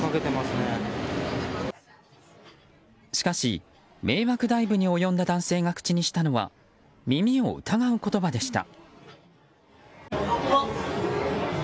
しかし、迷惑ダイブに及んだ男性が口にしたのは耳を疑う言葉でした。